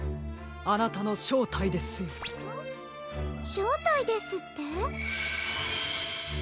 しょうたいですって？